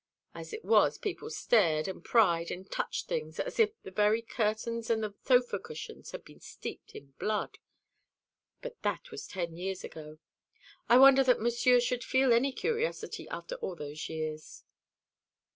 As it was, people stared and pried and touched things; as if the very curtains and the sofa cushions had been steeped in blood. But that was ten years ago. I wonder that Monsieur should feel any curiosity after all those years."